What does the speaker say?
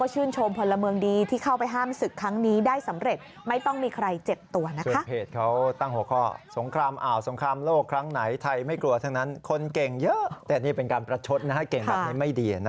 ชาวเน็ตเขาก็ชื่นชม